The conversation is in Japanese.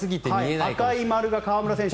赤い丸が河村選手